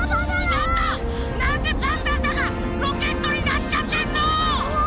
ちょっとなんでパンタンさんがロケットになっちゃってんの！